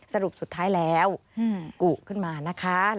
สรุปสุดท้ายแล้วกุขึ้นมานะคะ